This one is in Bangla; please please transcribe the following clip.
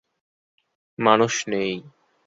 মানুষ নেই।